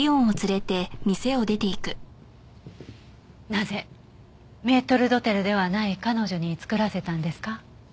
なぜメートル・ドテルではない彼女に作らせたんですか？